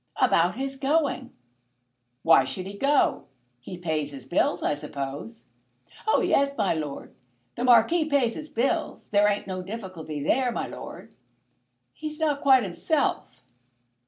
"About his going." "Why should he go? He pays his bills, I suppose?" "Oh yes, my lord; the Marquis pays his bills. There ain't no difficulty there, my lord. He's not quite himself."